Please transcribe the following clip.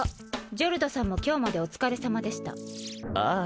ジョルドさんも今日までお疲れさまでしたあっ